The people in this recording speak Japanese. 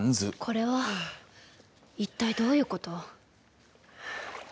これは、いったいどういうこと？